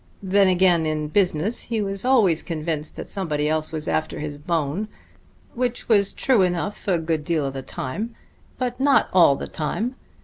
Then again in business he was always convinced that somebody else was after his bone which was true enough a good deal of the time; but not all the time.